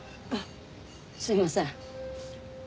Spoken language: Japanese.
すいません。